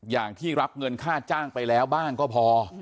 อย่างที่รับเงินค่าจ้างไปแล้วบ้างก็พอ